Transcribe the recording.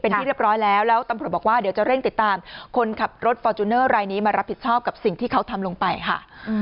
เป็นที่เรียบร้อยแล้วแล้วตำรวจบอกว่าเดี๋ยวจะเร่งติดตามคนขับรถฟอร์จูเนอร์รายนี้มารับผิดชอบกับสิ่งที่เขาทำลงไปค่ะ